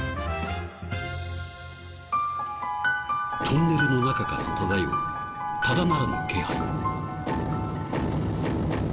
トンネルの中から漂うただならぬ気配。